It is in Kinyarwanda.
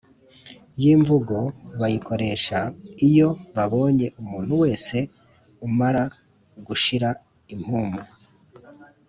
yi mvugo bayikoresha iyo babonye umuntu wese umara gushira impumu